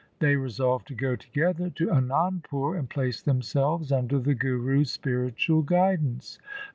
They resolved to go together to Anandpur and place themselves under the Guru's spiritual guidance.